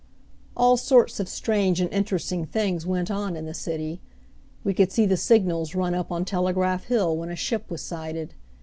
All sorts of strange and interesting things went on in the city. We could see the signals run up on Telegraph Hill when a ship was sighted.